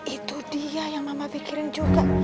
itu dia yang mama pikirin juga